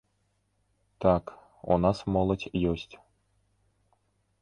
Так, у нас моладзь ёсць.